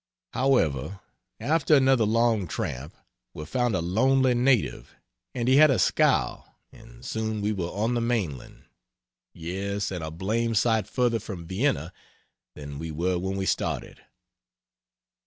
However, after another long tramp we found a lonely native, and he had a scow and soon we were on the mainland yes, and a blamed sight further from Vienne than we were when we started.